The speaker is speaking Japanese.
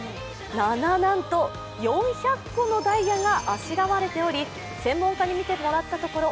な、な、なんと、４００個のダイヤがあしらわれており専門家に見てもらったところ